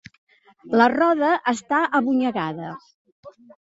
La roda està abonyegada.